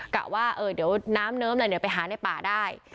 กะว่าเดี๋ยวน้ำเนิ้มอะไรเดี๋ยวไปหาในป่าได้